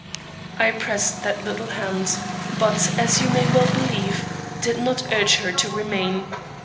I pressed that little hand, but, as you may well believe, did not urge her to remain.